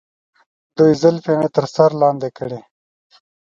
دوی زلفې مې تر سر لاندې کړي.